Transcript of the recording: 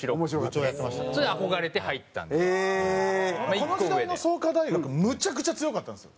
この時代の創価大学むちゃくちゃ強かったんですよ。